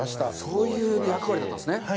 そういう役割だったんですね。